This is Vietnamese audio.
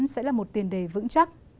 sẽ là một tiền đề vững chắc